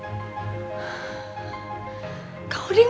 eh kamu sih dang